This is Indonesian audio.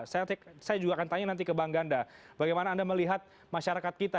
saya juga akan tanya nanti ke bang ganda bagaimana anda melihat masyarakat kita